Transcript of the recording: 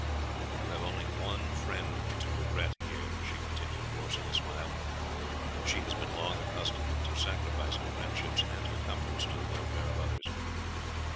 You have only one friend to regret here," she continued, forcing a smile, "and she has been long accustomed to sacrifice her friendships and her comforts to the welfare of others.